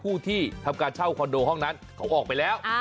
ผู้ที่ทำการเช่าคอนโดห้องนั้นเขาออกไปแล้ว